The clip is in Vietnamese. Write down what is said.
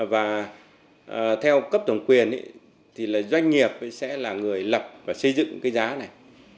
và theo cấp tổng quyền thì là doanh nghiệp sẽ là người lập và xây dựng cái giá này